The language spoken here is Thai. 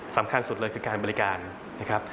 สำคัญสุดเลยคือการบริการนะครับ